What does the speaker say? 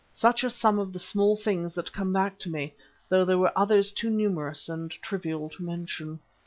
Such are some of the small things that come back to me, though there were others too numerous and trivial to mention.